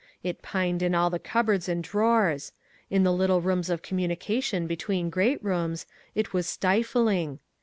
It pined in all the cupboards and drawers. In the little rooms of communication between great rooms, it was stifling.